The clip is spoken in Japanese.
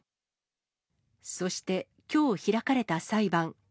そしてきょう開かれた裁判。